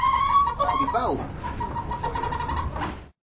Gripau! –diu, cofoia.